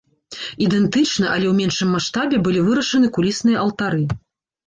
Ідэнтычна, але ў меншым маштабе, былі вырашаны кулісныя алтары.